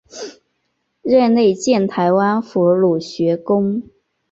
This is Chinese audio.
任内建台湾府儒学宫。